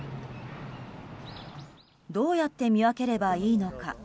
どうやって見分ければいいのか。